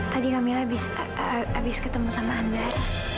tadi kak mila habis ketemu sama andara